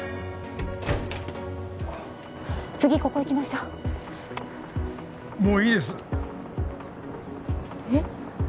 次ここ行きましょうもういいですえっ？